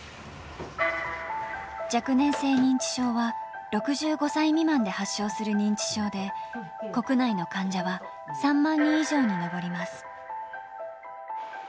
若年性認知症は、６５歳未満で発症する認知症で、国内の患者は３万人以上に上ります。